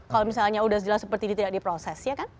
kalau misalnya sudah jelas seperti ini tidak diproses ya kan